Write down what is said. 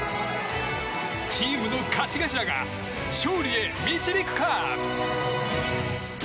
チームの勝ち頭が勝利へ導くか！